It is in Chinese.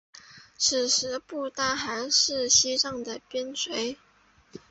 此时不丹还是西藏的边陲。